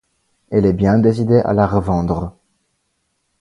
Elle est bien décidée à la revendre.